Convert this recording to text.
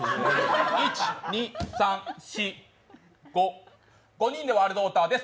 １２３４５５人でワールドヲーターです